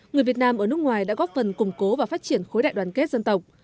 người việt nam ở nước ngoài đã góp phần củng cố và phát triển khối đại đoàn kết dân tộc